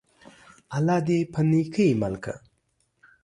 الله دي په نيکۍ مل که!